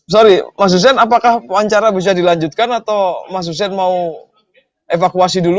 sorry mas hussein apakah wawancara bisa dilanjutkan atau mas hussein mau evakuasi dulu